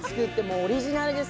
オリジナルです。